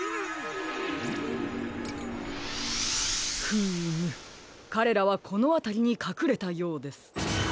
フームかれらはこのあたりにかくれたようです。